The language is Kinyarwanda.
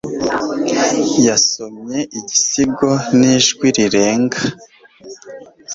Yasomye igisigo n'ijwi rirenga.